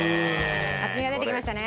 厚みが出てきましたね。